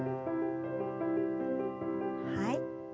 はい。